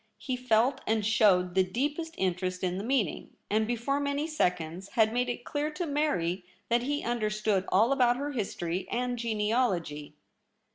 He felt and showed the deepest interest in the meeting, and before many seconds had made it clear to Mary that he understood all about her historv and orene alogy.